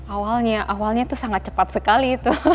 awalnya awalnya itu sangat cepat sekali